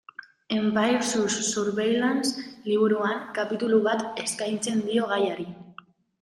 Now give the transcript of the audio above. Empire sous Surveillance liburuan kapitulu bat eskaintzen dio gaiari.